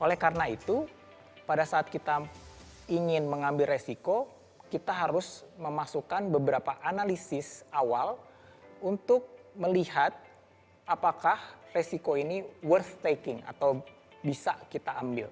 oleh karena itu pada saat kita ingin mengambil resiko kita harus memasukkan beberapa analisis awal untuk melihat apakah resiko ini worst taking atau bisa kita ambil